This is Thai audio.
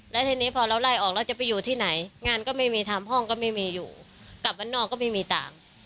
แล้วทีนี้พอเราไล่ออกแล้วจะไปอยู่ที่ไหนงานก็ไม่มีทำห้องก็ไม่มีอยู่กลับบ้านนอกก็ไม่มีตังค์